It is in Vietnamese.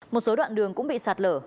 một số đoạn đường cũng bị sạt lở